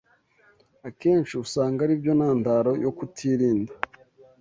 akenshi usanga ari byo ntandaro yo kutirinda